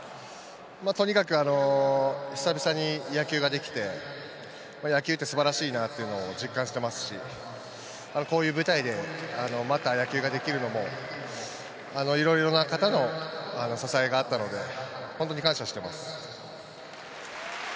とにかく久々に野球ができて、野球って素晴らしいなっていうのを実感していますし、こういう舞台でまた野球ができるのも、いろいろな方の支えがあったので、本当に感謝しています。